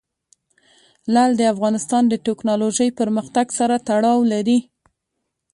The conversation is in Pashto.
لعل د افغانستان د تکنالوژۍ پرمختګ سره تړاو لري.